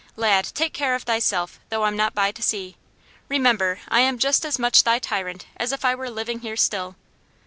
"Lad, take care of thyself, though I'm not by to see. Remember, I am just as much thy tyrant as if I were living here still."